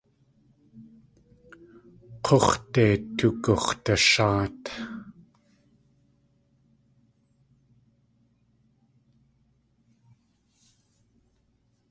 K̲úx̲de tugux̲dasháat.